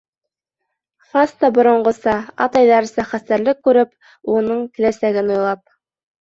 Хас та боронғоса, атайҙарса хәстәрлек күреп, улының киләсәген уйлап.